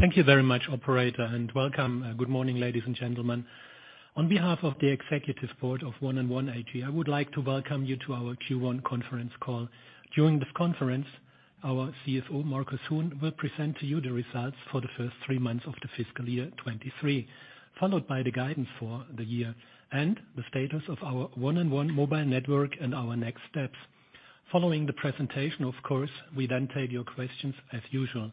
Thank you very much operator, and welcome. Good morning, ladies and gentlemen. On behalf of the executive board of 1&1 AG, I would like to welcome you to our Q1 conference call. During this conference, our CFO, Markus Hühn, will present to you the results for the first three months of the fiscal year 2023. Followed by the guidance for the year and the status of our 1&1 Mobile Network and our next steps. Following the presentation, of course, we then take your questions as usual.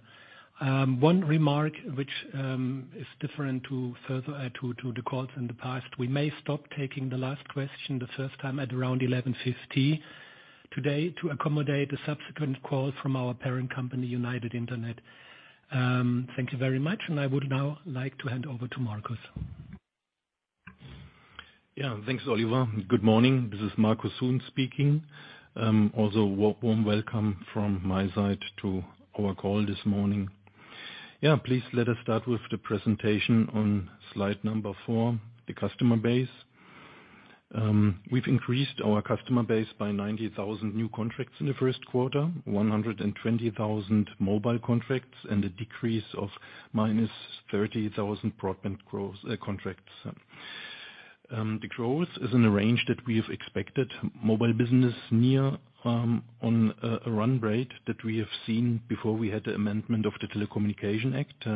One remark which is different to the calls in the past, we may stop taking the last question the first time at around 11:50 today to accommodate a subsequent call from our parent company, United Internet. Thank you very much. I would now like to hand over to Markus. Thanks, Oliver. Good morning. This is Markus Hühn speaking. Also warm welcome from my side to our call this morning. Please let us start with the presentation on slide number four, the customer base. We've increased our customer base by 90,000 new contracts in the first quarter, 120,000 mobile contracts and a decrease of -30,000 broadband gross contracts. The growth is in the range that we have expected. Mobile business near on a run rate that we have seen before we had the amendment of the Telecommunications Act.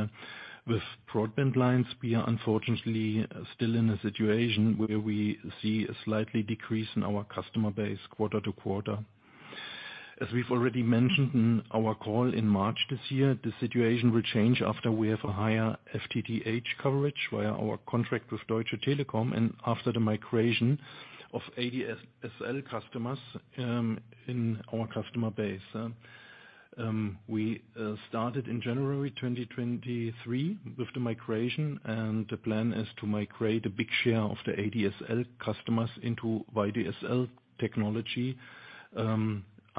With broadband lines, we are unfortunately still in a situation where we see a slightly decrease in our customer base quarter-over-quarter. As we've already mentioned in our call in March this year, the situation will change after we have a higher FTTH coverage via our contract with Deutsche Telekom and after the migration of ADSL customers in our customer base. We started in January 2023 with the migration, the plan is to migrate a big share of the ADSL customers into VDSL technology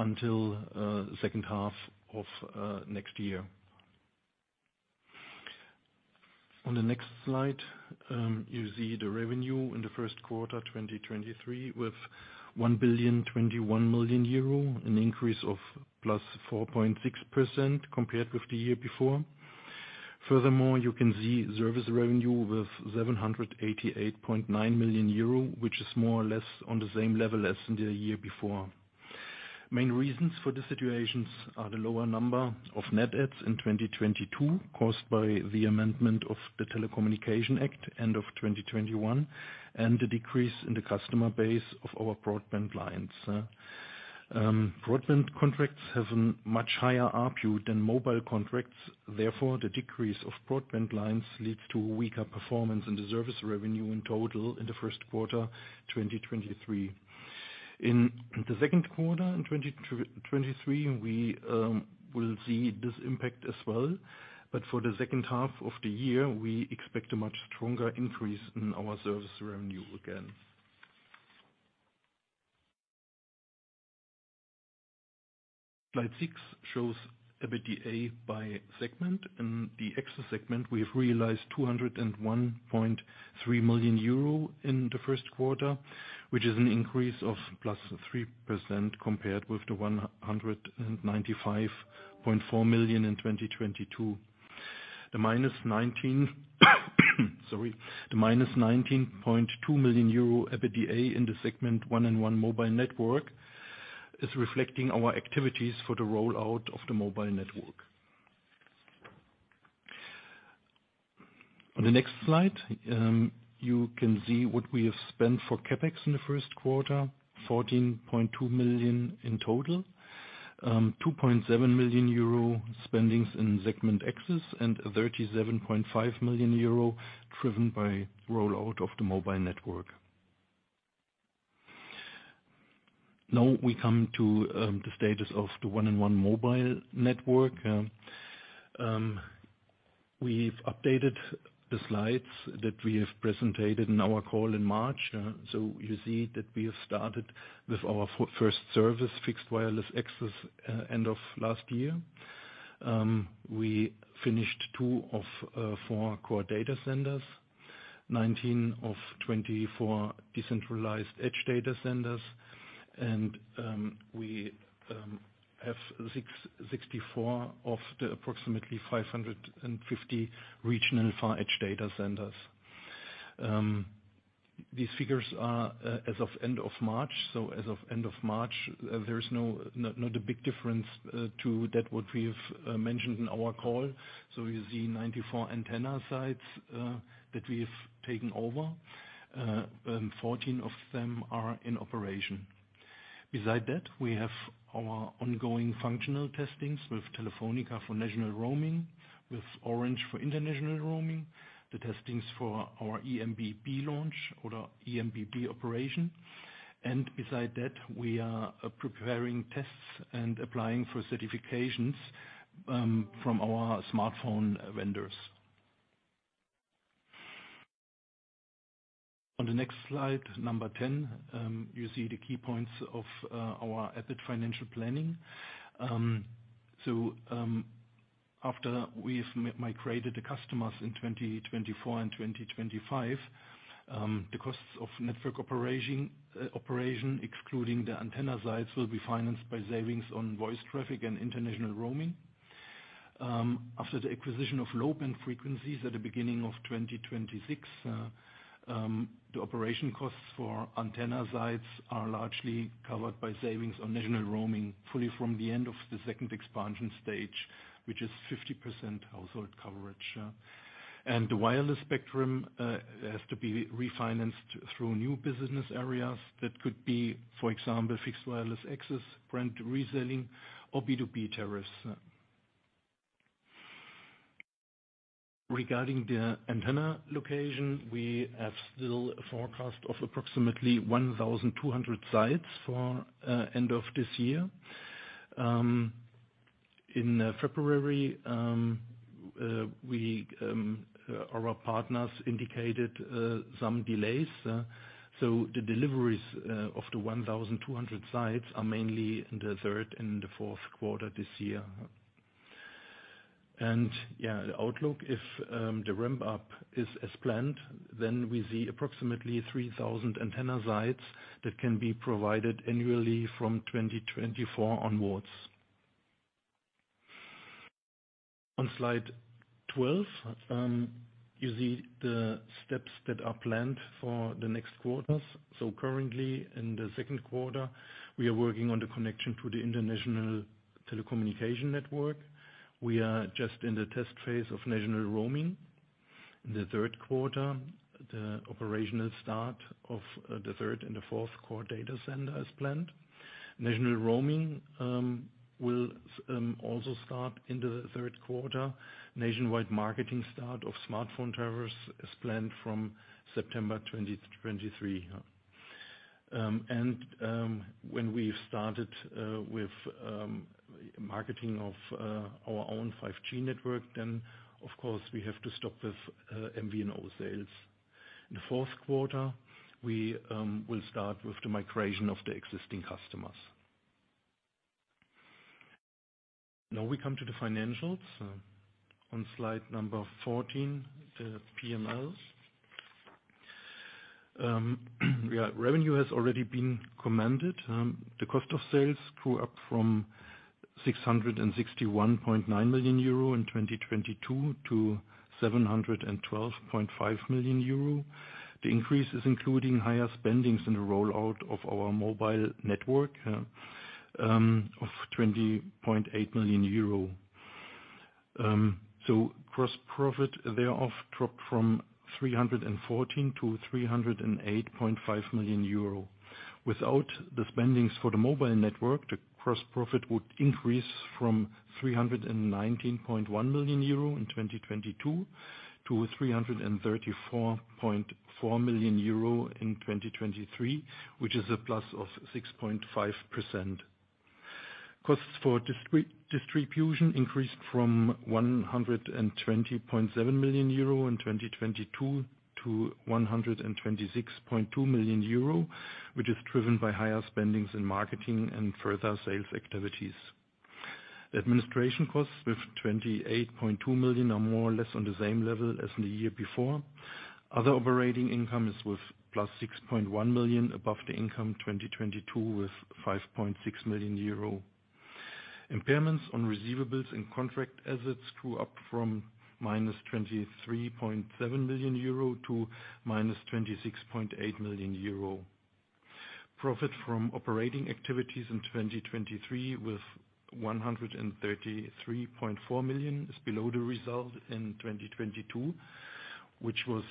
until second half of next year. On the next slide, you see the revenue in the first quarter 2023 with 1,021 million euro, an increase of +4.6% compared with the year before. You can see service revenue with 788.9 million euro, which is more or less on the same level as in the year before. Main reasons for the situations are the lower number of net adds in 2022, caused by the amendment of the Telecommunications Act end of 2021, and the decrease in the customer base of our broadband lines. Broadband contracts have a much higher ARPU than mobile contracts. Therefore, the decrease of broadband lines leads to weaker performance in the service revenue in total in the first quarter 2023. In the second quarter in 2023, we will see this impact as well. But for the second half of the year, we expect a much stronger increase in our service revenue again. Slide 6 shows EBITDA by segment. In the Access segment, we have realized 201.3 million euro in the first quarter, which is an increase of +3% compared with 195.4 million in 2022. The minus 19 sorry. The minus 19.2 million euro EBITDA in the segment 1&1 Mobile Network is reflecting our activities for the rollout of the mobile network. On the next slide, you can see what we have spent for CapEx in the first quarter, 14.2 million EUR in total. 2.7 million euro spendings in segment Access and 37.5 million euro driven by rollout of the mobile network. We come to the status of the 1&1 Mobile Network. We've updated the slides that we have presented in our call in March. You see that we have started with our first service, fixed wireless access, end of last year. We finished two of four core data centers, 19 of 24 decentralized edge data centers, and we have 664 of the approximately 550 regional far edge data centers. These figures are as of end of March. As of end of March, there is no not a big difference to that what we have mentioned in our call. You see 94 antenna sites that we have taken over. 14 of them are in operation. Beside that, we have our ongoing functional testings with Telefónica for national roaming, with Orange for international roaming. The testings for our eMBB launch or the eMBB operation. Beside that, we are preparing tests and applying for certifications from our smartphone vendors. On the next slide, number 10, you see the key points of our EBIT financial planning. After we've migrated the customers in 2024 and 2025, the costs of network operating operation, excluding the antenna sites, will be financed by savings on voice traffic and international roaming. After the acquisition of low-band frequencies at the beginning of 2026, the operation costs for antenna sites are largely covered by savings on national roaming fully from the end of the second expansion stage, which is 50% household coverage. The wireless spectrum has to be refinanced through new business areas that could be, for example, fixed wireless access, brand reselling or B2B tariffs. Regarding the antenna location, we have still a forecast of approximately 1,200 sites for end of this year. In February, we, our partners indicated some delays. The deliveries of the 1,200 sites are mainly in the third and the fourth quarter this year. Yeah, the outlook, if the ramp up is as planned, then we see approximately 3,000 antenna sites that can be provided annually from 2024 onwards. On slide 12, you see the steps that are planned for the next quarters. Currently in the second quarter, we are working on the connection to the international telecommunication network. We are just in the test phase of national roaming. In the third quarter, the operational start of the third and the fourth core data center is planned. National roaming will also start in the third quarter. Nationwide marketing start of smartphone tariffs is planned from September 2023. When we've started with marketing of our own 5G network, then of course we have to stop with MVNO sales. In the fourth quarter, we will start with the migration of the existing customers. Now we come to the financials. On slide number 14, the P&Ls. Revenue has already been commanded. The cost of sales grew up from 661.9 million euro in 2022 to 712.5 million euro. The increase is including higher spendings in the rollout of our mobile network of 20.8 million euro. So gross profit thereof dropped from 314 to 308.5 million euro. Without the spendings for the mobile network, the gross profit would increase from 319.1 million euro in 2022 to 334.4 million euro in 2023, which is a plus of 6.5%. Costs for distribution increased from 120.7 million euro in 2022 to 126.2 million euro, which is driven by higher spendings in marketing and further sales activities. Administration costs with 28.2 million are more or less on the same level as the year before. Other operating income is with +6.1 million above the income in 2022 with 5.6 million euro. Impairments on receivables and contract assets grew up from -23.7 million euro to -26.8 million euro. Profit from operating activities in 2023 with 133.4 million is below the result in 2022, which was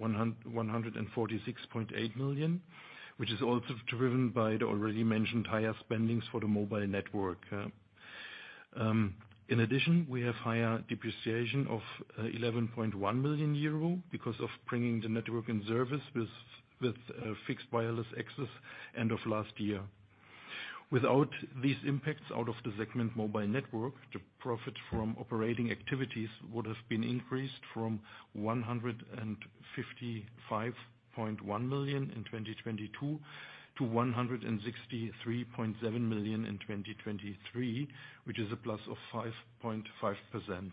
146.8 million, which is also driven by the already mentioned higher spendings for the Mobile Network. In addition, we have higher depreciation of 11.1 million euro because of bringing the network in service with fixed wireless access end of last year. Without these impacts out of the segment Mobile Network, the profit from operating activities would have been increased from 155.1 million in 2022 to 163.7 million in 2023, which is a plus of 5.5%.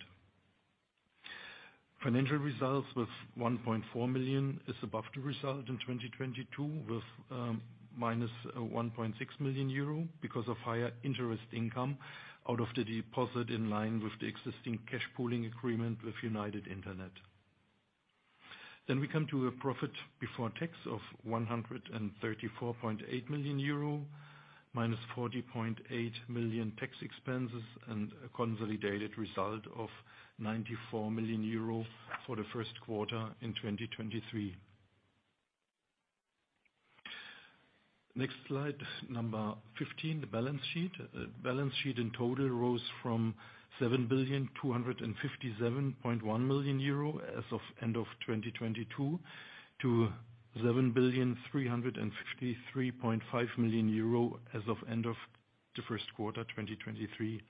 Financial results with 1.4 million is above the result in 2022 with minus 1.6 million euro because of higher interest income out of the deposit in line with the existing cash pooling agreement with United Internet. We come to a profit before tax of 134.8 million euro, minus 40.8 million tax expenses and a consolidated result of 94 million euro for the first quarter in 2023. Next slide, number 15, the balance sheet. Balance sheet in total rose from 7,257.1 million euro as of end of 2022 to 7,353.5 million euro as of end of the first quarter 2023.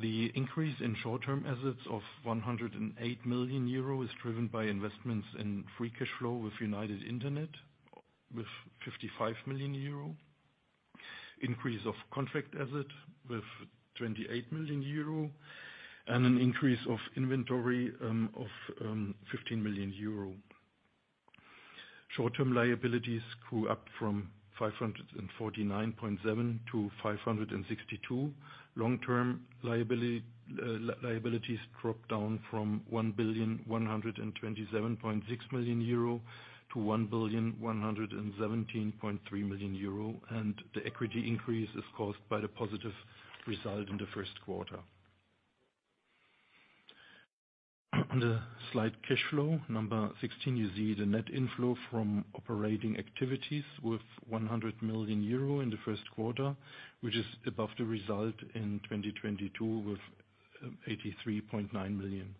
The increase in short-term assets of 108 million euro is driven by investments in free cash flow with United Internet with 55 million euro, increase of contract asset with 28 million euro and an increase of inventory, of 15 million euro. Short-term liabilities grew up from 549.7 to 562. Long-term liabilities dropped down from 1,127.6 million euro to 1,117.3 million euro. The equity increase is caused by the positive result in the first quarter. On the slide, cash flow, number 16, you see the net inflow from operating activities with 100 million euro in the first quarter, which is above the result in 2022 with 83.9 million.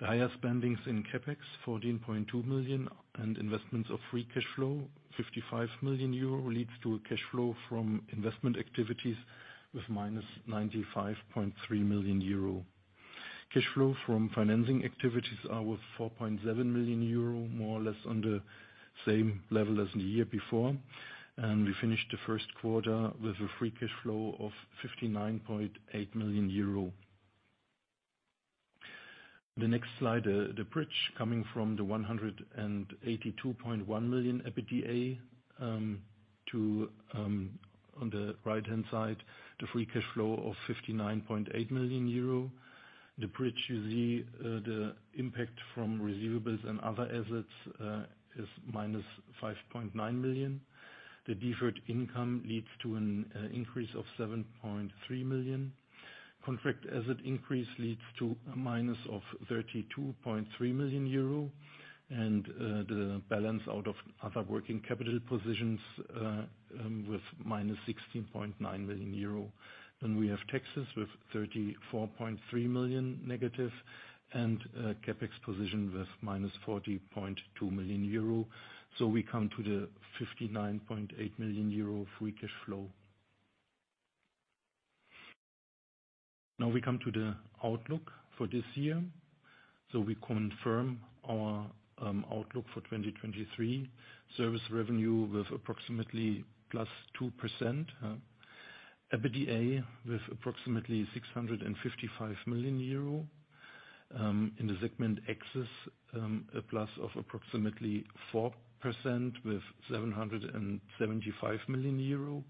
The higher spendings in CapEx, 14.2 million, and investments of free cash flow, 55 million euro, leads to a cash flow from investment activities with -95.3 million euro. Cash flow from financing activities are with 4.7 million euro, more or less on the same level as the year before. We finished the first quarter with a free cash flow of 59.8 million euro. The next slide, the bridge coming from the 182.1 million EBITDA, to on the right-hand side, the free cash flow of 59.8 million euro. The bridge you see, the impact from receivables and other assets, is -5.9 million. The deferred income leads to an increase of 7.3 million. Contract asset increase leads to a minus of 32.3 million euro, the balance out of other working capital positions with minus 16.9 million euro. We have taxes with 34.3 million negative, CapEx position with minus 40.2 million euro. We come to the 59.8 million euro free cash flow. Now we come to the outlook for this year. We confirm our outlook for 2023. Service revenue with approximately +2%. EBITDA with approximately 655 million euro. In the segment Access, a plus of approximately 4% with 775 million euro.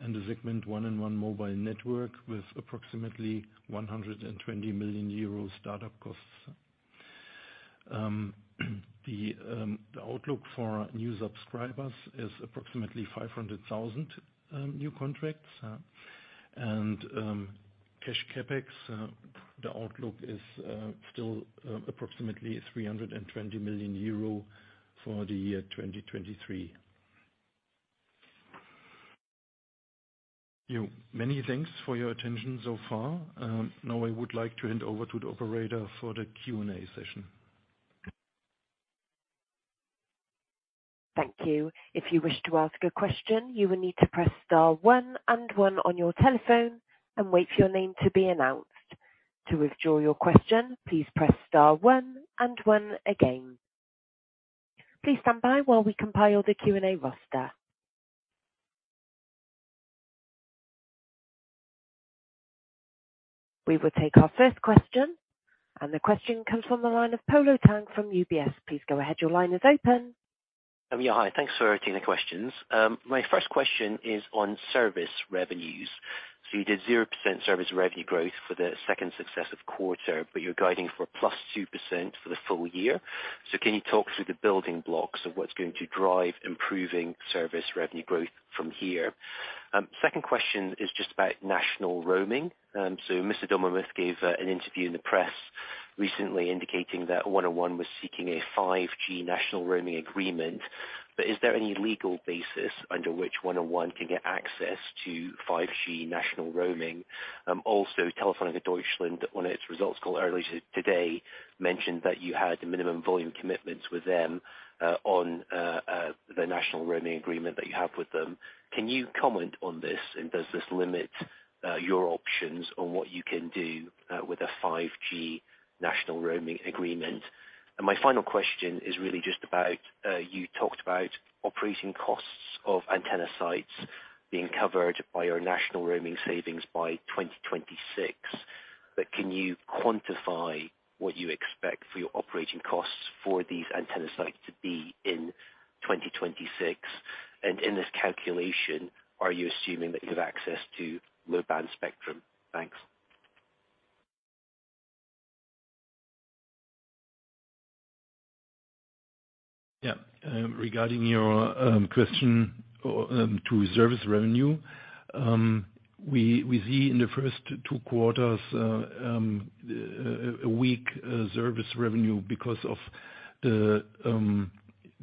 The segment 1&1 Mobile Network with approximately 120 million euro startup costs. The outlook for new subscribers is approximately 500,000 new contracts. Cash CapEx, the outlook is still approximately 320 million euro for the year 2023. You. Many thanks for your attention so far. Now I would like to hand over to the operator for the Q&A session. Thank you. If you wish to ask a question, you will need to press star one and one on your telephone and wait for your name to be announced. To withdraw your question, please press star one and one again. Please stand by while we compile the Q&A roster. We will take our first question, the question comes from the line of Polo Tang from UBS. Please go ahead. Your line is open. Yeah. Hi. Thanks for taking the questions. My first question is on service revenues. You did 0% service revenue growth for the second successive quarter, but you're guiding for a +2% for the full year. Can you talk through the building blocks of what's going to drive improving service revenue growth from here? Second question is just about national roaming. Mr. Dommermuth gave an interview in the press recently indicating that 1&1 was seeking a 5G national roaming agreement. Is there any legal basis under which 1&1 can get access to 5G national roaming? Also Telefónica Deutschland, on its results call earlier today, mentioned that you had minimum volume commitments with them on the national roaming agreement that you have with them. Can you comment on this? Does this limit your options on what you can do with a 5G national roaming agreement? My final question is really just about, you talked about operating costs of antenna sites being covered by your national roaming savings by 2026. Can you quantify what you expect for your operating costs for these antenna sites to be in 2026? In this calculation, are you assuming that you have access to low-band spectrum? Thanks. Regarding your question to service revenue, we see in the first two quarters a weak service revenue because of the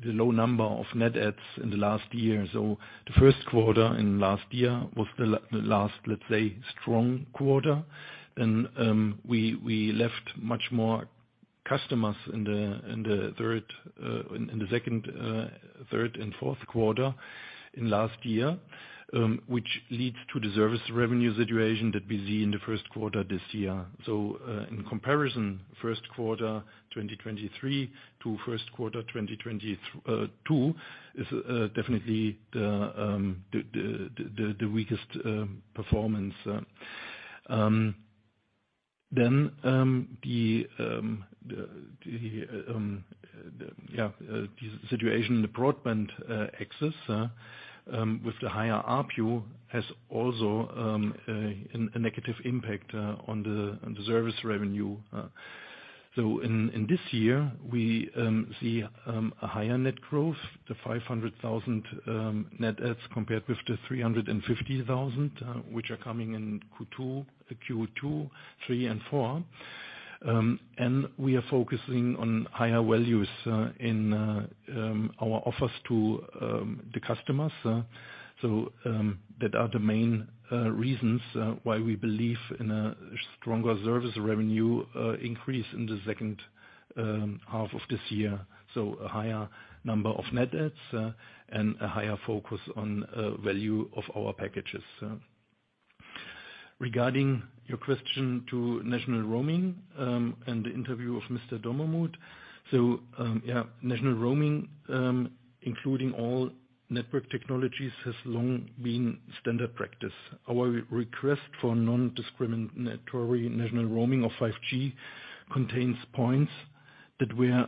low number of net adds in the last year. The first quarter in last year was the last, let's say, strong quarter. We left much more customers in the third, in the second, third and fourth quarter in last year, which leads to the service revenue situation that we see in the first quarter this year. In comparison, first quarter 2023 to first quarter 2022 is definitely the weakest performance. The situation in the broadband Access with the higher ARPU has also a negative impact on the service revenue. In this year we see a higher net growth, the 500,000 net adds compared with the 350,000, which are coming in Q2, Q3, and Q4. We are focusing on higher values in our offers to the customers. That are the main reasons why we believe in a stronger service revenue increase in the second half of this year. A higher number of net adds and a higher focus on value of our packages. Regarding your question to national roaming and the interview of Mr. Dommermuth. National roaming, including all network technologies, has long been standard practice. Our re-request for non-discriminatory national roaming of 5G contains points that were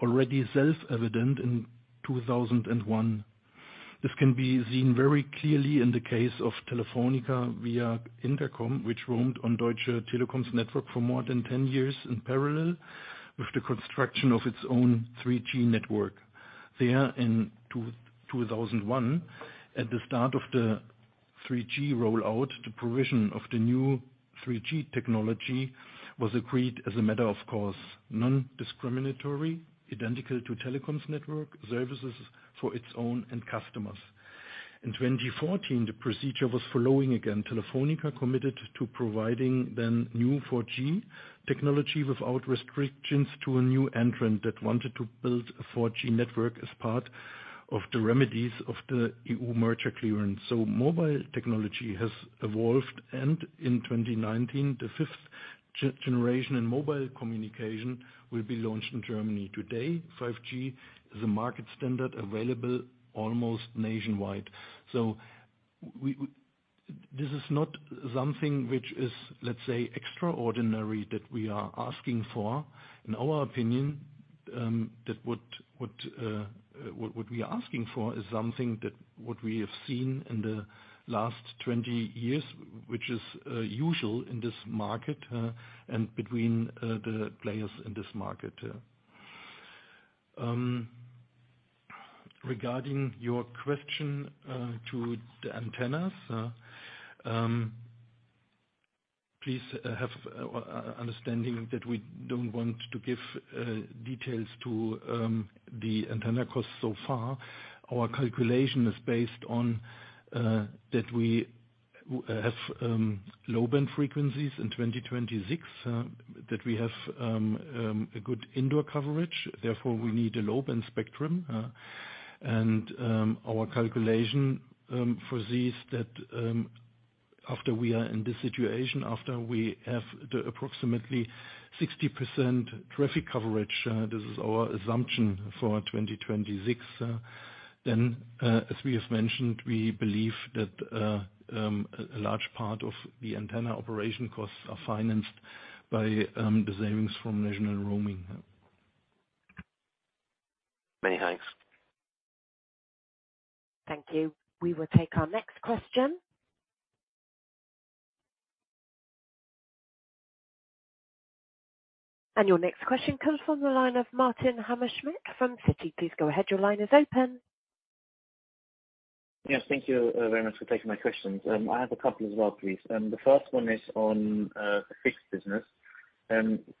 already self-evident in 2001. This can be seen very clearly in the case of Telefónica via VIAG Interkom, which roamed on Deutsche Telekom's network for more than 10 years in parallel with the construction of its own 3G network. There in 2001, at the start of the 3G rollout, the provision of the new 3G technology was agreed as a matter of course, non-discriminatory, identical to Telekom's network services for its own end customers. In 2014, the procedure was following again. Telefónica committed to providing then new 4G technology without restrictions to a new entrant that wanted to build a 4G network as part of the remedies of the EU merger clearance. Mobile technology has evolved, and in 2019, the fifth generation in mobile communication will be launched in Germany. Today, 5G is a market standard available almost nationwide. This is not something which is, let's say, extraordinary that we are asking for. In our opinion, what we are asking for is something that what we have seen in the last 20 years, which is usual in this market, and between the players in this market. Regarding your question to the antennas, please have understanding that we don't want to give details to the antenna costs so far. Our calculation is based on that we have low band frequencies in 2026, that we have a good indoor coverage, therefore we need a low band spectrum. Our calculation for this is that after we are in this situation, after we have the approximately 60% traffic coverage, this is our assumption for 2026. As we have mentioned, we believe that a large part of the antenna operation costs are financed by the savings from national roaming. Many thanks. Thank you. We will take our next question. Your next question comes from the line of Martin Hammerschmidt from Citi. Please go ahead. Your line is open. Yes, thank you very much for taking my questions. I have a couple as well, please. The first one is on the fixed business.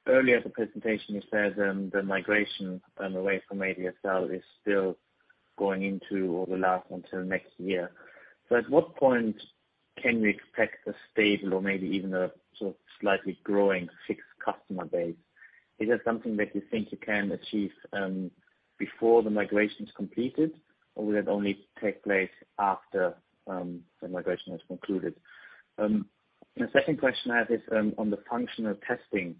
Earlier the presentation you said, the migration away from ADSL is still going into or will last until next year. At what point can we expect a stable or maybe even a sort of slightly growing fixed customer base? Is that something that you think you can achieve before the migration is completed, or will it only take place after the migration is concluded? The second question I have is on the functional testing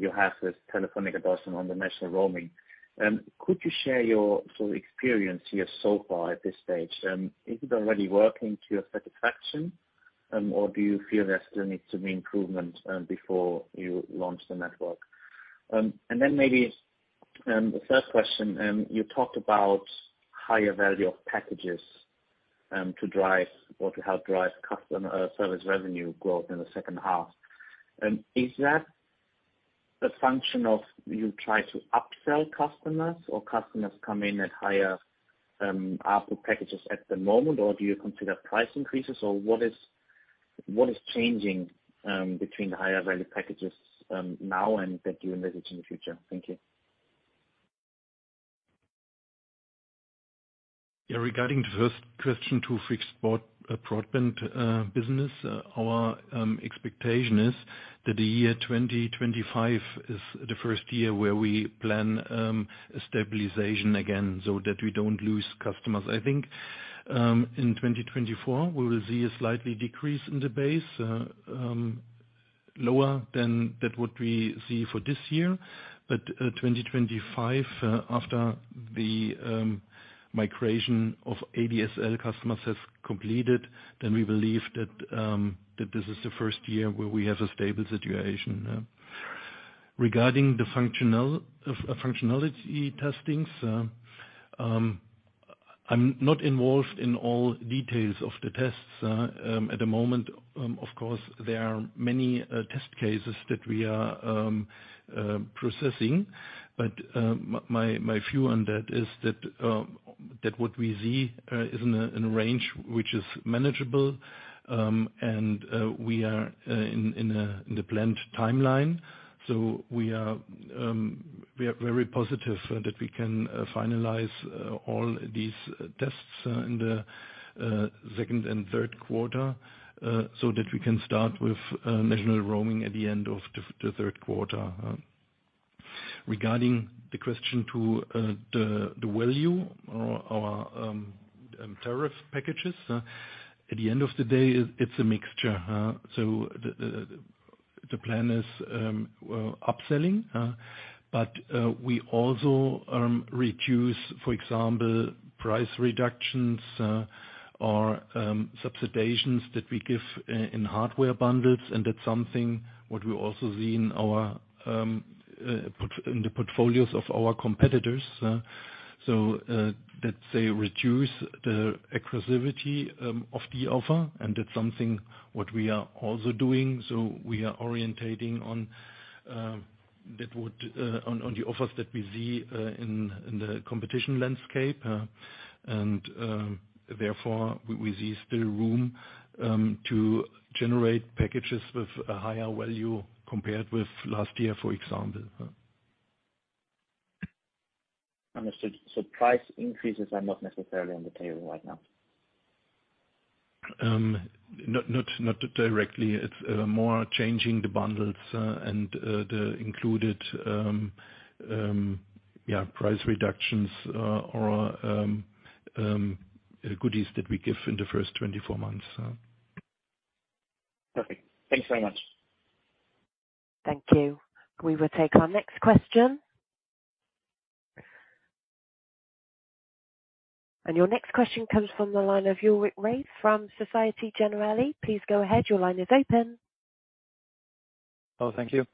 you have with Telefónica Deutschland on the national roaming. Could you share your sort of experience here so far at this stage? Is it already working to your satisfaction, or do you feel there still needs to be improvement before you launch the network? Then maybe, the third question, you talked about higher value of packages to drive or to help drive customer service revenue growth in the second half. Is that a function of you try to upsell customers or customers come in at higher ARPU packages at the moment, or do you consider price increases? What is changing between the higher value packages now and that you envisage in the future? Thank you. Regarding the first question to fixed broadband business, our expectation is that the year 2025 is the first year where we plan a stabilization again so that we don't lose customers. I think, in 2024, we will see a slightly decrease in the base, lower than that what we see for this year. 2025, after the migration of ADSL customers has completed, we believe that this is the first year where we have a stable situation. Regarding the functional functionality testings, I'm not involved in all details of the tests at the moment. Of course, there are many test cases that we are processing. my view on that is that what we see is in a range which is manageable, and we are in the planned timeline. We are very positive so that we can finalize all these tests in the second and third quarter so that we can start with national roaming at the end of the third quarter. Regarding the question to the value or tariff packages, at the end of the day, it's a mixture, huh. The plan is upselling, but we also reduce, for example, price reductions, or subsidizations that we give in hardware bundles, and that's something what we also see in our in the portfolios of our competitors. Let's say reduce the exclusivity of the offer, and that's something what we are also doing. We are orientating on that would on the offers that we see in the competition landscape. Therefore, we see still room to generate packages with a higher value compared with last year, for example. Understood. Price increases are not necessarily on the table right now? not directly. It's more changing the bundles, and the included, price reductions, or goodies that we give in the first 24 months. Perfect. Thanks very much. Thank you. We will take our next question. Your next question comes from the line of Ulrich Rathe from Société Générale. Please go ahead. Your line is open. Oh, thank you.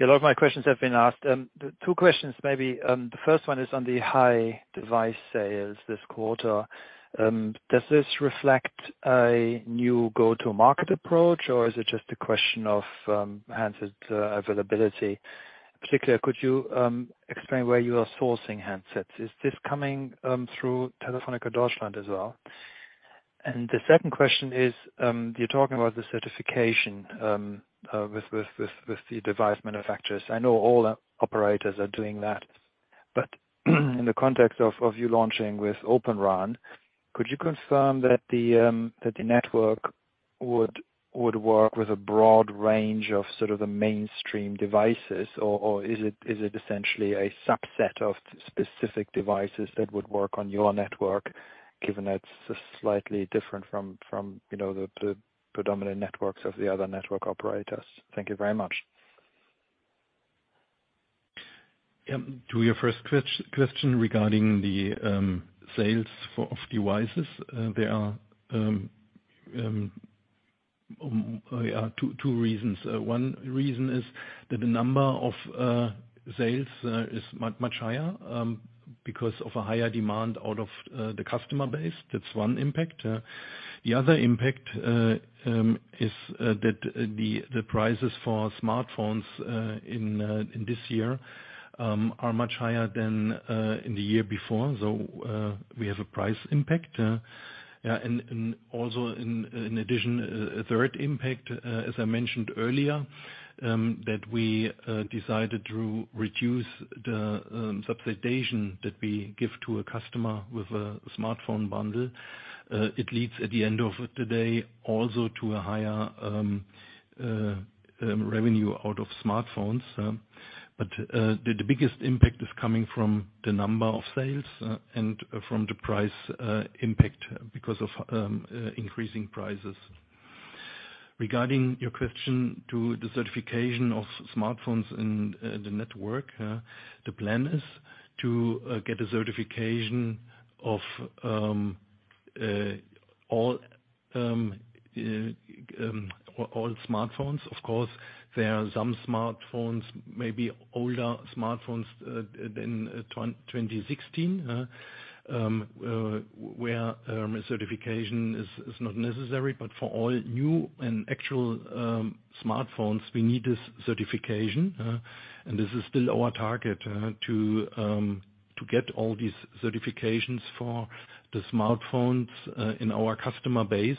Yeah, a lot of my questions have been asked. Two questions maybe. The first one is on the high device sales this quarter. Does this reflect a new go-to market approach, or is it just a question of handsets, availability? Particularly, could you explain where you are sourcing handsets? Is this coming through Telefónica Deutschland as well? The second question is, you're talking about the certification with the device manufacturers. I know all operators are doing that, but in the context of you launching with Open RAN, could you confirm that the network would work with a broad range of sort of the mainstream devices? Is it essentially a subset of specific devices that would work on your network, given that's slightly different from, you know, the predominant networks of the other network operators? Thank you very much. Yeah. To your first question regarding the sales for of devices, there are two reasons. One reason is that the number of sales is much higher because of a higher demand out of the customer base. That's one impact. The other impact is that the prices for smartphones in this year are much higher than in the year before. We have a price impact. And also in addition, a third impact, as I mentioned earlier, that we decided to reduce the subsidization that we give to a customer with a smartphone bundle. It leads, at the end of the day, also to a higher revenue out of smartphones. The biggest impact is coming from the number of sales and from the price impact because of increasing prices. Regarding your question to the certification of smartphones and the network, the plan is to get a certification of all smartphones. Of course, there are some smartphones, maybe older smartphones, in 2016, where a certification is not necessary. For all new and actual smartphones, we need this certification. This is still our target to get all these certifications for the smartphones in our customer base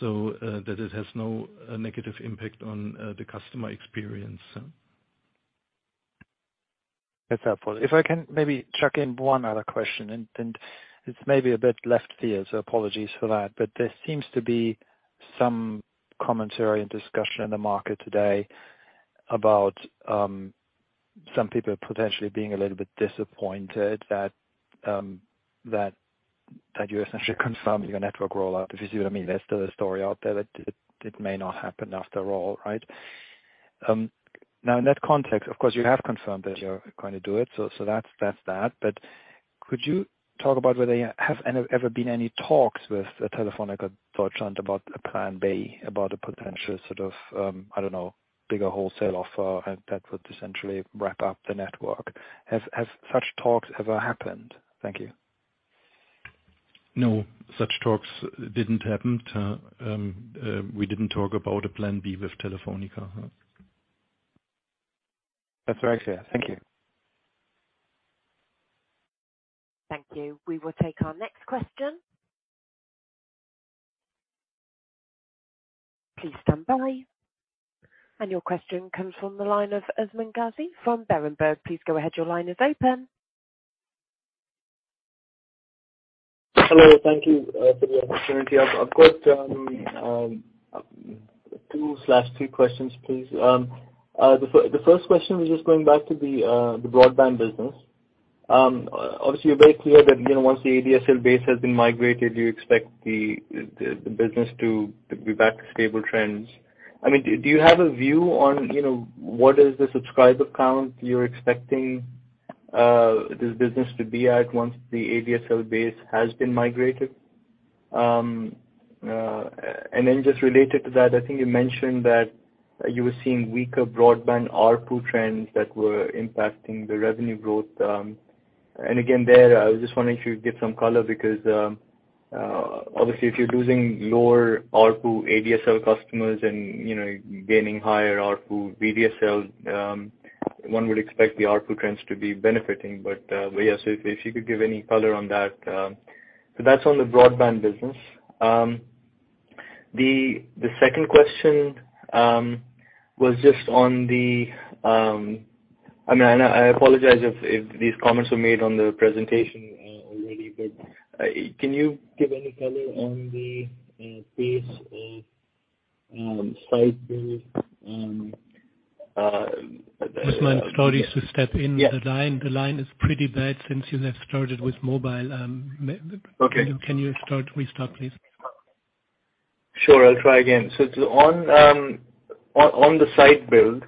so that it has no negative impact on the customer experience. That's helpful. If I can maybe chuck in one other question, and it's maybe a bit left field, so apologies for that. There seems to be some commentary and discussion in the market today about some people potentially being a little bit disappointed that you essentially confirmed your network rollout, if you see what I mean. There's still a story out there that it may not happen after all, right? In that context, of course, you have confirmed that you're going to do it, so that's that. Could you talk about whether you have ever been any talks with Telefónica Deutschland about a plan B, about a potential sort of, I don't know, bigger wholesale offer and that would essentially wrap up the network. Have such talks ever happened? Thank you. No, such talks didn't happen to, we didn't talk about a plan B with Telefónica, huh. That's very clear. Thank you. Thank you. We will take our next question. Please stand by. Your question comes from the line of Usman Ghazi from Berenberg. Please go ahead. Your line is open. Hello. Thank you for the opportunity. I've got two slash three questions, please. The first question was just going back to the broadband business. Obviously, you're very clear that, you know, once the ADSL base has been migrated, you expect the business to be back to stable trends. I mean, do you have a view on, you know, what is the subscriber count you're expecting this business to be at once the ADSL base has been migrated? Then just related to that, I think you mentioned that you were seeing weaker broadband ARPU trends that were impacting the revenue growth. Again, there, I was just wondering if you could give some color because, obviously, if you're losing lower ARPU ADSL customers and, you know, gaining higher ARPU VDSL, one would expect the ARPU trends to be benefiting. Yes, if you could give any color on that. That's on the broadband business. The second question was just on the, I mean, I apologize if these comments were made on the presentation already, can you give any color on the pace of site build? Usman, sorry to step in. Yeah. The line is pretty bad since you have started with mobile. Okay. Can you start, restart, please? Sure, I'll try again. On the site build,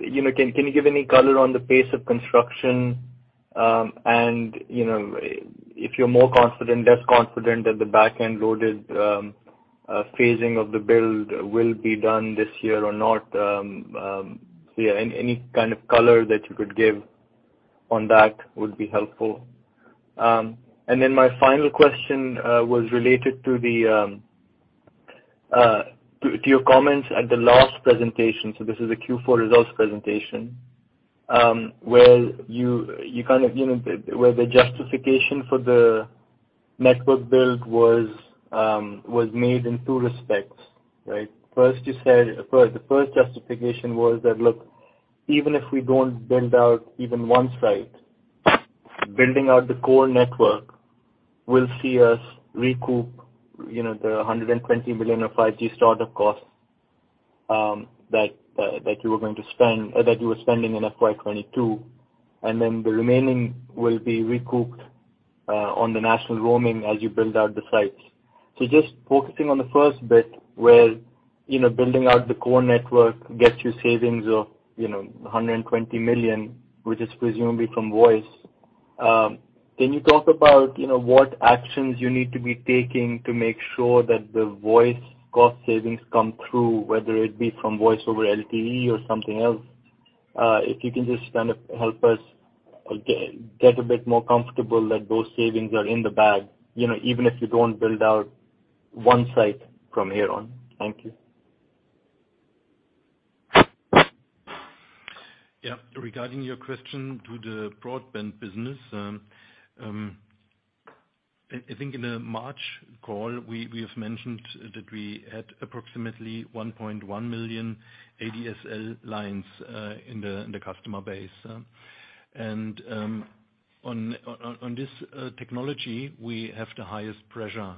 you know, can you give any color on the pace of construction, and, you know, if you're more confident, less confident that the back-end loaded phasing of the build will be done this year or not. Yeah, any kind of color that you could give on that would be helpful. Then my final question was related to the to your comments at the last presentation. This is a Q4 results presentation, where you kind of, you know, where the justification for the network build was made in two respects, right? First, you said, the first justification was that, look, even if we don't build out even one site, building out the core network will see us recoup, you know, 120 million of 5G startup costs, that you were going to spend, that you were spending in FY 2022, the remaining will be recouped on the national roaming as you build out the sites. Just focusing on the first bit, where, you know, building out the core network gets you savings of, you know, 120 million, which is presumably from voice. Can you talk about, you know, what actions you need to be taking to make sure that the voice cost savings come through, whether it be from VoLTE or something else? If you can just kind of help us get a bit more comfortable that those savings are in the bag, you know, even if you don't build out one site from here on. Thank you. Yeah. Regarding your question to the broadband business, I think in the March call, we have mentioned that we had approximately 1.1 million ADSL lines in the customer base. On this technology, we have the highest pressure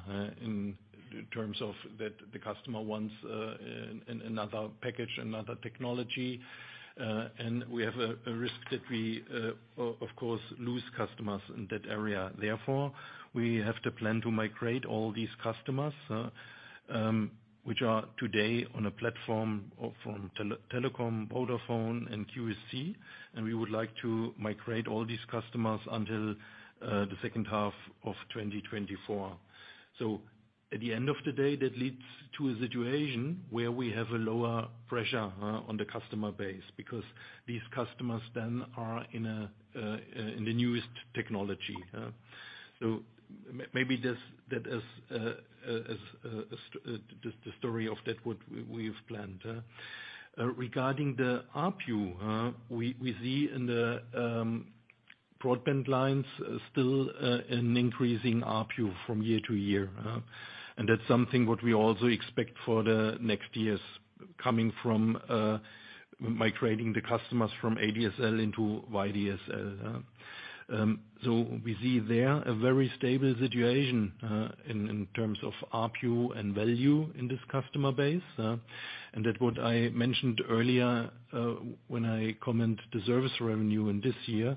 in terms of that the customer wants another package, another technology, and we have a risk that we, of course, lose customers in that area. Therefore, we have to plan to migrate all these customers which are today on a platform of Deutsche Telekom, Vodafone and QSC, and we would like to migrate all these customers until the second half of 2024. At the end of the day, that leads to a situation where we have a lower pressure on the customer base because these customers then are in the newest technology. Maybe this, that is the story of that what we've planned. Regarding the ARPU, we see in the broadband lines still an increasing ARPU from year to year. And that's something what we also expect for the next years coming from migrating the customers from ADSL into VDSL. So we see there a very stable situation in terms of ARPU and value in this customer base. That what I mentioned earlier, when I comment the service revenue in this year.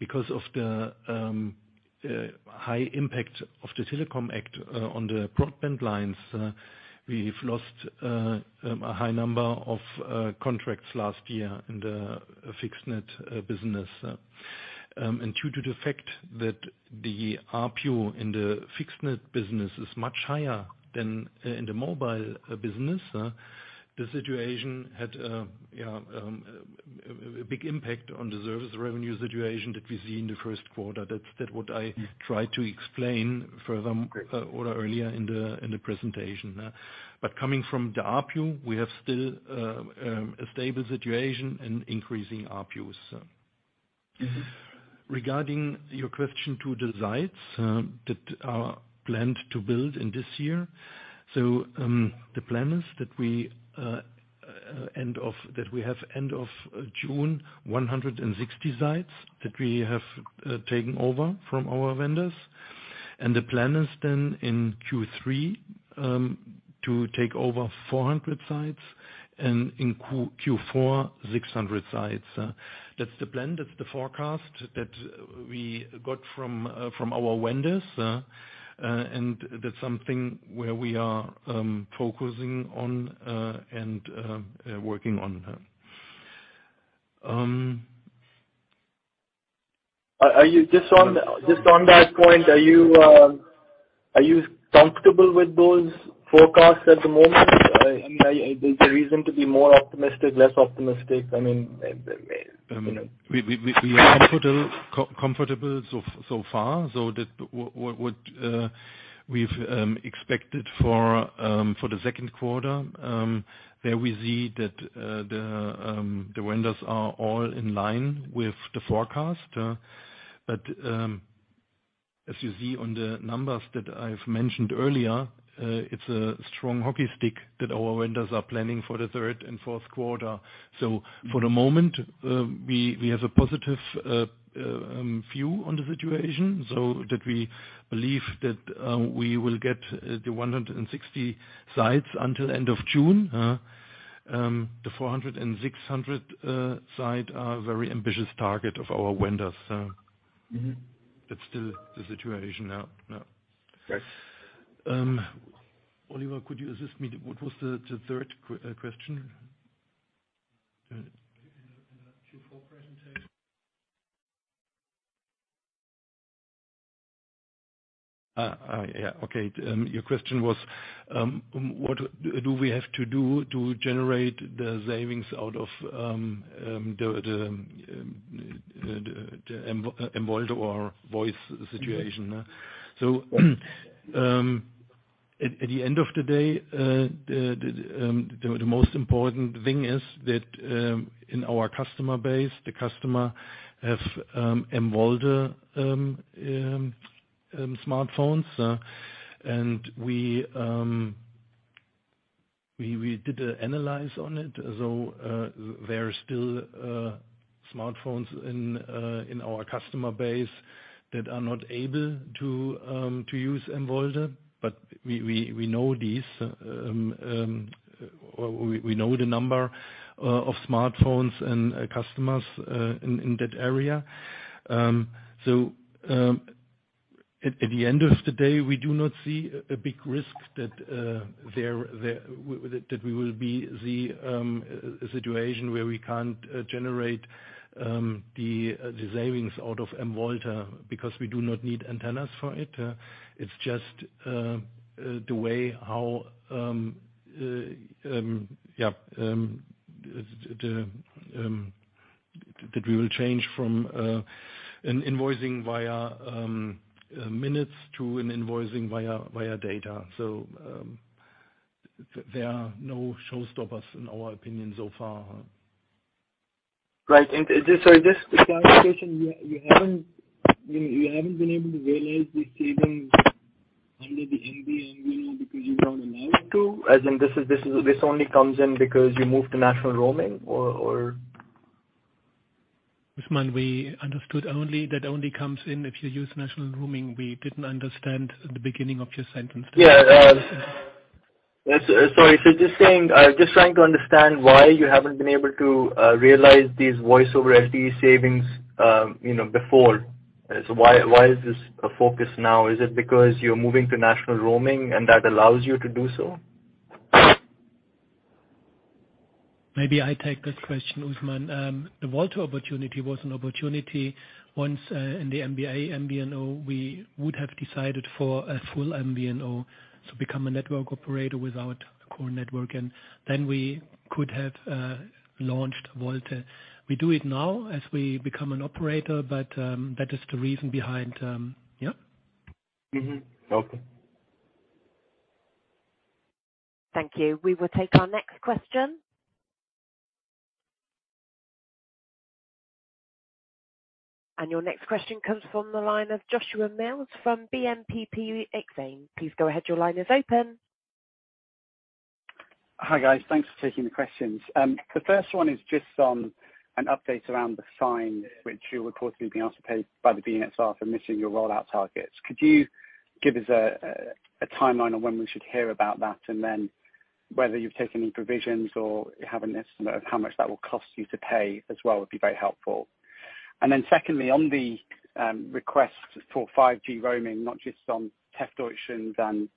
Because of the high impact of the Telecommunications Act on the broadband lines, we've lost a high number of contracts last year in the fixed net business. Due to the fact that the RPO in the fixed net business is much higher than in the mobile business, the situation had a big impact on the service revenue situation that we see in the first quarter. That's what I tried to explain further or earlier in the presentation. Coming from the RPU, we have still a stable situation and increasing RPUs. Mm-hmm. Regarding your question to the sites that are planned to build in this year. The plan is that we have end of June, 160 sites that we have taken over from our vendors. The plan is then in Q3 to take over 400 sites, and in Q4, 600 sites. That's the plan, that's the forecast that we got from our vendors. That's something where we are focusing on and working on. Are you just on that point, are you comfortable with those forecasts at the moment? I mean, are there's a reason to be more optimistic, less optimistic? I mean, you know. We are comfortable so far. What we've expected for the second quarter, there we see that the vendors are all in line with the forecast. As you see on the numbers that I've mentioned earlier, it's a strong hockey stick that our vendors are planning for the third and fourth quarter. For the moment, we have a positive view on the situation, so that we believe that we will get the 160 sites until end of June. The 400 and 600 site are very ambitious target of our vendors. Mm-hmm. That's still the situation now. Yeah. Yes. Oliver, could you assist me? What was the third question? In the Q4 presentation. Yeah. Okay. Your question was, what do we have to do to generate the savings out of the M-VoLTE or voice situation? Mm-hmm. At the end of the day, the most important thing is that in our customer base, the customer have M-VoLTE smartphones. We did a analyze on it, there are still smartphones in our customer base that are not able to use M-VoLTE, but we know these. We know the number of smartphones and customers in that area. At the end of the day, we do not see a big risk that there that we will be the situation where we can't generate the savings out of M-VoLTE because we do not need antennas for it. It's just the way how the that we will change from an invoicing via minutes to an invoicing via data. There are no showstoppers in our opinion so far. Right. Just a clarification. You haven't, I mean, you haven't been able to realize these savings under the MVNO because you're not allowed to? As in this only comes in because you moved to national roaming or? Usman, we understood only, that only comes in if you use national roaming. We didn't understand the beginning of your sentence. Yes. Sorry. Just saying, just trying to understand why you haven't been able to, realize these Voice over LTE savings, you know, before. Why is this a focus now? Is it because you're moving to national roaming and that allows you to do so? Maybe I take this question, Usman. The VoLTE opportunity was an opportunity once, in the MBA MVNO, we would have decided for a full MVNO, so become a network operator without a core network, and then we could have, launched VoLTE. We do it now as we become an operator, but, that is the reason behind, yeah. Mm-hmm. Okay. Thank you. We will take our next question. Your next question comes from the line of Joshua Mills from BNP Paribas Exane. Please go ahead. Your line is open. Hi, guys. Thanks for taking the questions. The first one is just on an update around the fine, which you're reportedly being asked to pay by the BNetzA for missing your rollout targets. Could you give us a timeline on when we should hear about that? Whether you've taken any provisions or have an estimate of how much that will cost you to pay as well would be very helpful. Secondly, on the request for 5G roaming, not just on Telekom Deutschland,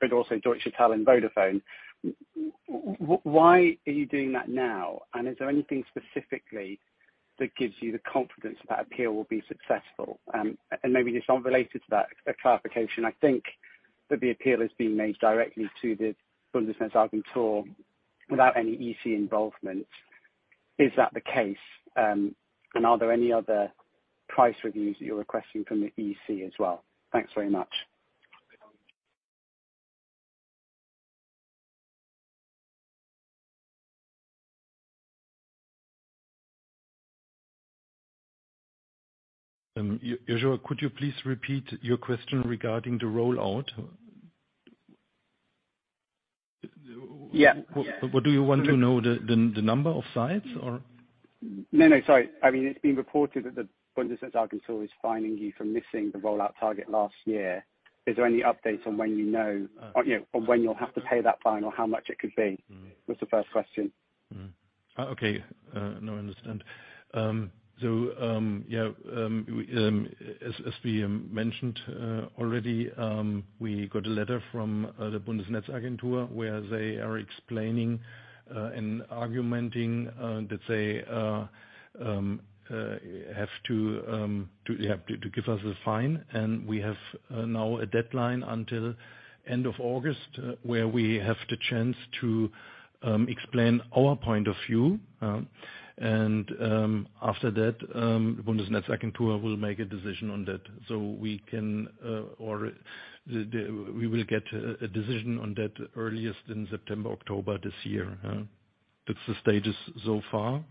but also Telefónica Deutschland Vodafone. Why are you doing that now? Is there anything specifically that gives you the confidence that appeal will be successful? Maybe this isn't related to that, a clarification. I think that the appeal is being made directly to the Bundesnetzagentur without any EC involvement. Is that the case? Are there any other price reviews that you're requesting from the EC as well? Thanks very much. Joshua, could you please repeat your question regarding the rollout? Yeah. What do you want to know, the number of sites or? No, no, sorry. I mean, it's been reported that the Bundesnetzagentur is fining you for missing the rollout target last year. Is there any update on when you know, on when you'll have to pay that fine or how much it could be? Was the first question. Okay. Now I understand. As we mentioned already, we got a letter from the Bundesnetzagentur where they are explaining and argumenting that they have to give us a fine. We have now a deadline until end of August, where we have the chance to explain our point of view, and after that, Bundesnetzagentur will make a decision on that. We can or we will get a decision on that earliest in September, October this year. That's the status so far.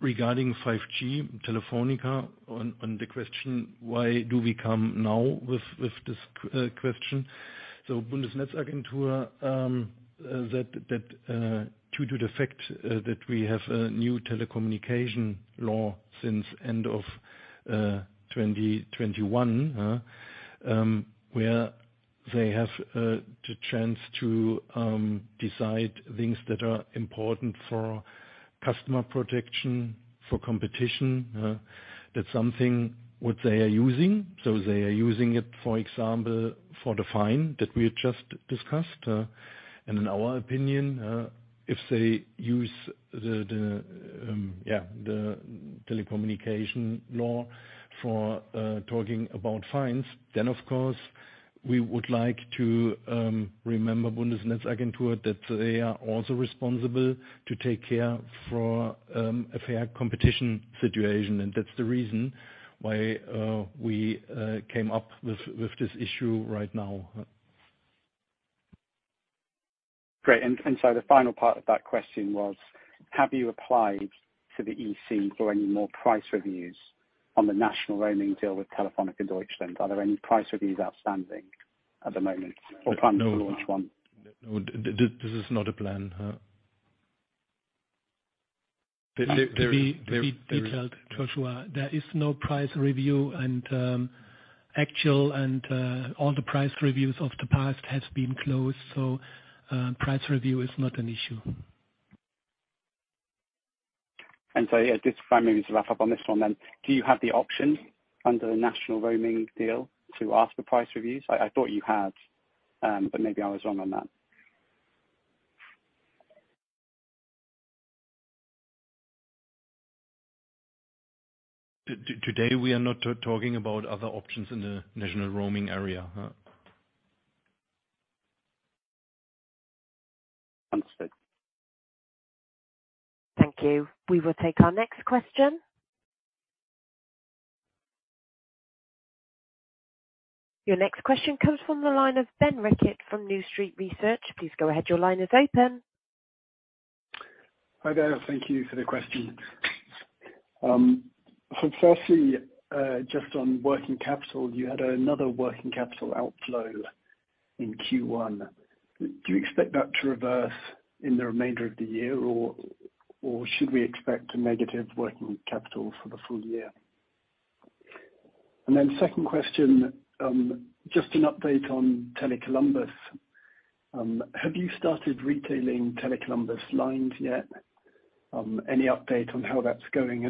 Regarding 5G Telefónica on the question why do we come now with this question? Bundesnetzagentur, that due to the fact that we have a new Telecommunications Act since end of 2021, where they have the chance to decide things that are important for customer protection, for competition. That's something what they are using. They are using it, for example, for the fine that we just discussed. In our opinion, if they use the Telecommunications Act for talking about fines, then of course, we would like to remember Bundesnetzagentur that they are also responsible to take care for a fair competition situation. That's the reason why we came up with this issue right now. Great. The final part of that question was, have you applied to the EC for any more price reviews on the national roaming deal with Telefónica Deutschland? Are there any price reviews outstanding at the moment or planning to launch one? No, this is not a plan. To be detailed, Joshua, there is no price review and all the price reviews of the past has been closed. Price review is not an issue. Just finally to wrap up on this one then. Do you have the option under the national roaming deal to ask for price reviews? I thought you had, but maybe I was wrong on that. Today we are not talking about other options in the national roaming area. Understood. Thank you. We will take our next question. Your next question comes from the line of Ben Rickett from New Street Research. Please go ahead. Your line is open. Hi there. Thank you for the question. Firstly, just on working capital, you had another working capital outflow in Q1. Do you expect that to reverse in the remainder of the year? Or should we expect a negative working capital for the full year? Second question, just an update on Tele Columbus. Have you started retailing Tele Columbus lines yet? Any update on how that's going?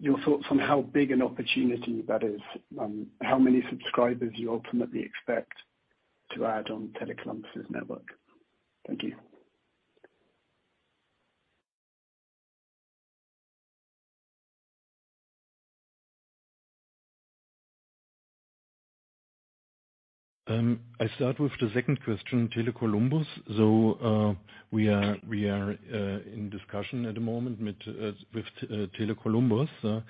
Your thoughts on how big an opportunity that is, how many subscribers you ultimately expect to add on Tele Columbus's network? Thank you. I start with the second question, Tele Columbus. We are in discussion at the moment with Tele Columbus. Yeah,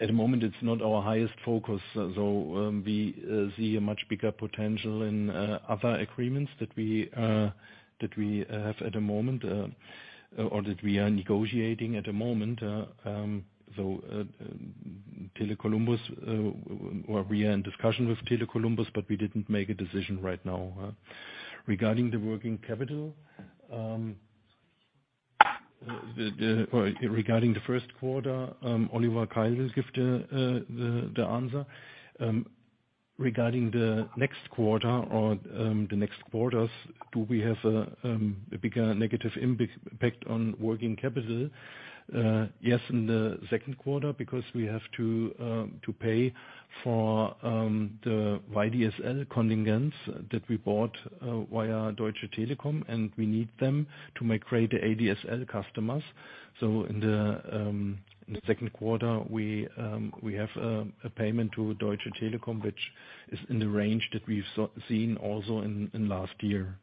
at the moment, it's not our highest focus. We see a much bigger potential in other agreements that we have at the moment, or that we are negotiating at the moment. Tele Columbus, or we are in discussion with Tele Columbus, but we didn't make a decision right now. Regarding the working capital, Regarding the first quarter, Oliver Keil give the answer. Regarding the next quarter or the next quarters, do we have a bigger negative impact on working capital? Yes, in the second quarter, because we have to pay for the VDSL contingents that we bought via Deutsche Telekom, and we need them to migrate the ADSL customers. In the second quarter, we have a payment to Deutsche Telekom, which is in the range that we've seen also in last year.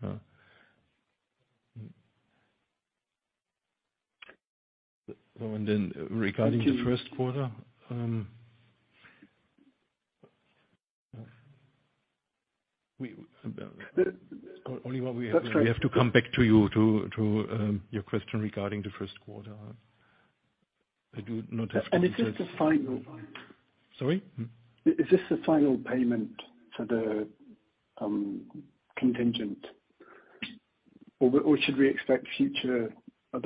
Regarding the first quarter. We. Oliver. That's right. We have to come back to you to your question regarding the first quarter. I do not have. Is this the final? Sorry? Mm-hmm. Is this the final payment for the contingent? What should we expect future,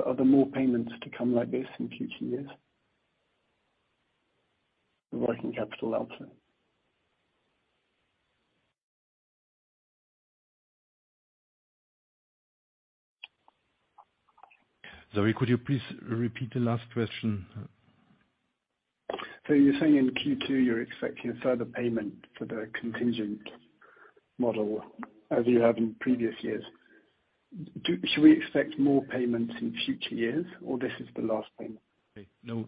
are there more payments to come like this in future years? The working capital outcome. Zoe, could you please repeat the last question? You're saying in Q2 you're expecting a further payment for the contingent model as you have in previous years. Should we expect more payments in future years, or this is the last payment? No.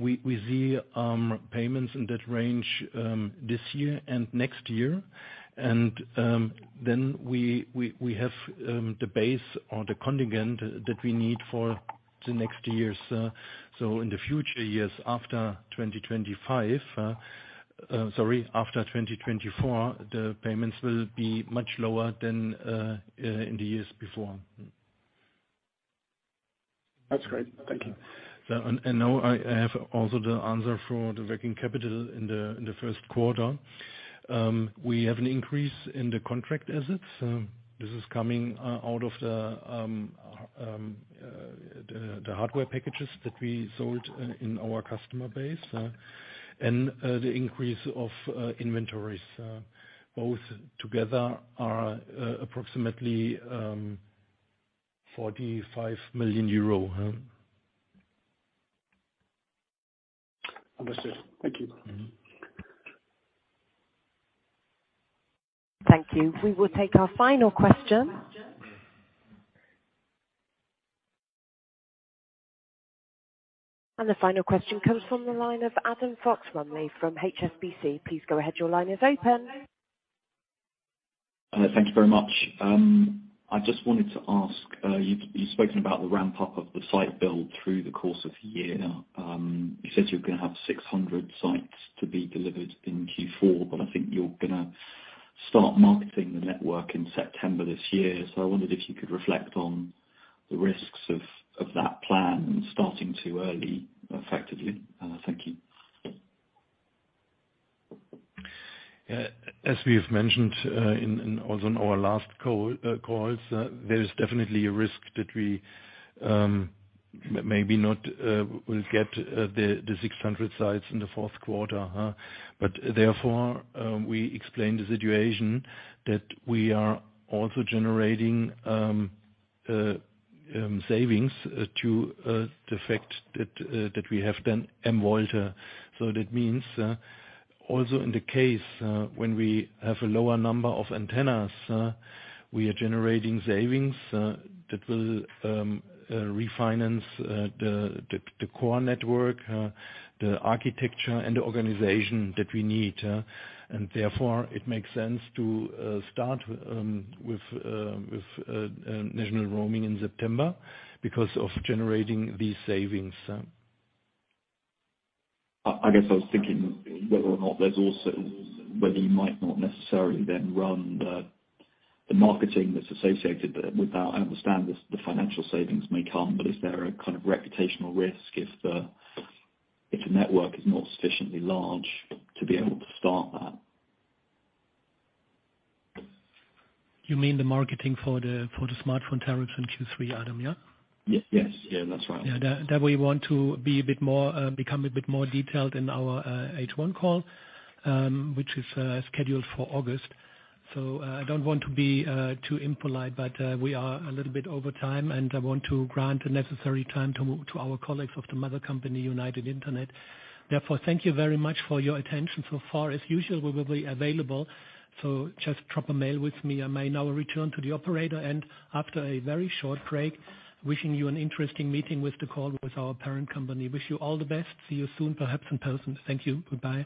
We see payments in that range this year and next year. Then we have the base or the contingent that we need for the next years. So in the future years, after 2025, sorry, after 2024, the payments will be much lower than in the years before. That's great. Thank you. Now I have also the answer for the working capital in the first quarter. We have an increase in the contract assets. This is coming out of the hardware packages that we sold in our customer base and the increase of inventories. Both together are approximately EUR 45 million. Huh. Understood. Thank you. Mm-hmm. Thank you. We will take our final question. The final question comes from the line of Adam Fox-Rumley from HSBC. Please go ahead. Your line is open. Thank you very much. I just wanted to ask, you've spoken about the ramp up of the site build through the course of the year. You said you're gonna have 600 sites to be delivered in Q4. I think you're gonna start marketing the network in September this year. I wondered if you could reflect on the risks of that plan starting too early, effectively. Thank you. Yeah. As we have mentioned, in also in our last call, calls, there is definitely a risk that we maybe not will get the 600 sites in the fourth quarter, huh. Therefore, we explain the situation that we are also generating savings to the fact that we have done VoLTE. That means, also in the case, when we have a lower number of antennas, we are generating savings that will refinance the core network, the architecture and the organization that we need. Therefore, it makes sense to start with national roaming in September because of generating these savings. I guess I was thinking whether or not there's also, whether you might not necessarily then run the marketing that's associated with that. I understand the financial savings may come, but is there a kind of reputational risk if the network is not sufficiently large to be able to start that? You mean the marketing for the, for the smartphone tariffs in Q3, Adam, yeah? Yes. Yeah, that's right. Yeah. That we want to be a bit more, become a bit more detailed in our H1 call, which is scheduled for August. I don't want to be too impolite, but we are a little bit over time, and I want to grant the necessary time to our colleagues of the mother company, United Internet. Therefore, thank you very much for your attention so far. As usual, we will be available, so just drop a mail with me. I may now return to the operator. After a very short break, wishing you an interesting meeting with the call with our parent company. Wish you all the best. See you soon, perhaps in person. Thank you. Goodbye.